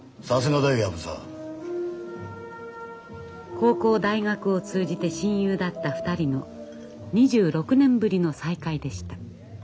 高校大学を通じて親友だった２人の２６年ぶりの再会でした。